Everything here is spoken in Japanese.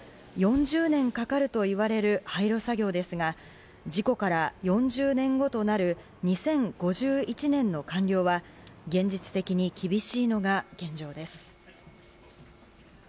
４０年かかるといわれる廃炉作業ですが、事故から４０年後となる２０５１年の完了は、現実的に厳しいのが現状です。